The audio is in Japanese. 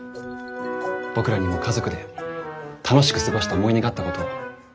僕らにも家族で楽しく過ごした思い出があったことを。